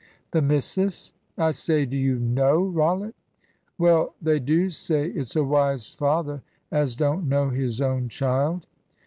"The missus! I say, do you know Rollitt?" "Well, they do say it's a wise father as don't know his own child."